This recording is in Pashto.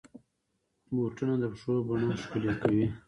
بوټونه د پښو بڼه ښکلي کوي.